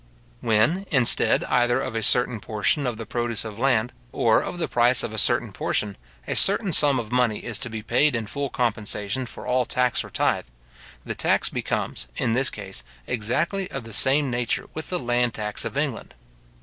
When, instead either of a certain portion of the produce of land, or of the price of a certain portion, a certain sum of money is to be paid in full compensation for all tax or tythe; the tax becomes, in this case, exactly of the same nature with the land tax of England.